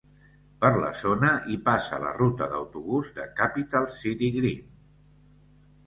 Per la zona hi passa la ruta d'autobús de Capital City Green.